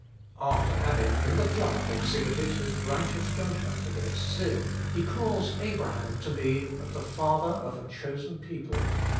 After having in the flood exhibited His righteous judgment against sin, He calls Abraham to be the father of a chosen people.